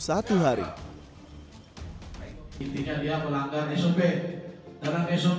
intinya dia melanggar smp